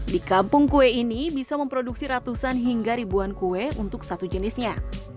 di kampung kue ini bisa memproduksi ratusan hingga ribuan kue untuk satu jenisnya